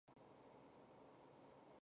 宪宗发兵征讨。